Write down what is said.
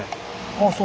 ああそう。